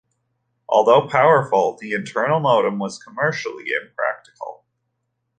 Although powerful, the internal modem was commercially impractical.